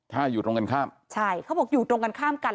ถ้าอยู่ตรงกันข้ามใช่เขาบอกอยู่ตรงกันข้ามกัน